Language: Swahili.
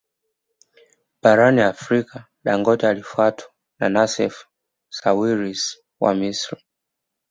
Barani Afrika Dangote alifuatwa na Nassef Sawiris wa Misri